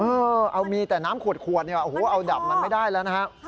เออเอามีแต่น้ำขวดเนี่ยโอ้โหเอาดับมันไม่ได้แล้วนะฮะ